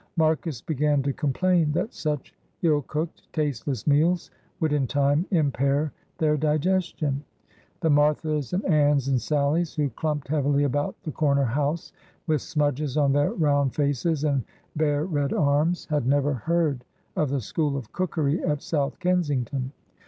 Marcus began to complain that such ill cooked, tasteless meals would in time impair their digestion. The Marthas and Annes and Sallies, who clumped heavily about the corner house, with smudges on their round faces and bare red arms, had never heard of the School of Cookery at South Kensington.